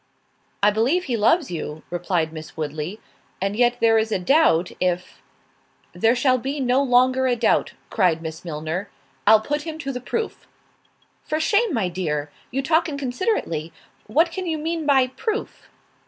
"I believe he loves you," replied Miss Woodley, "and yet there is a doubt if——" "There shall be no longer a doubt," cried Miss Milner, "I'll put him to the proof." "For shame, my dear! you talk inconsiderately—what can you mean by proof?"